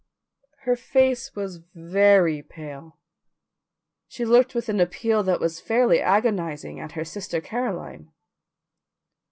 Her face was very pale. She looked with an appeal that was fairly agonizing at her sister Caroline.